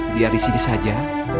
biar di sini saja